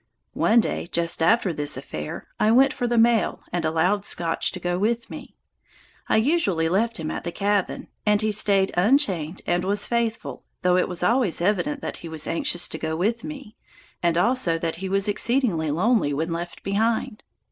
One day, just after this affair, I went for the mail, and allowed Scotch to go with me. I usually left him at the cabin, and he stayed unchained and was faithful, though it was always evident that he was anxious to go with me and also that he was exceedingly lonely when left behind.